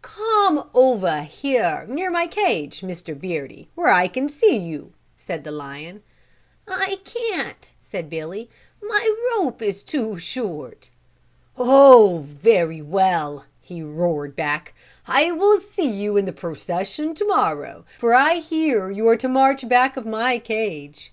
"Come over here, near my cage, Mr. Beardy, where I can see you," said the lion. "I can't," said Billy, "my rope is too short." "Oh, very well," he roared back, "I will see you in the procession, to morrow, for I hear you are to march back of my cage."